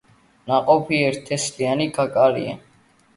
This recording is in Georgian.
ნაყოფი ერთთესლიანი კაკალია.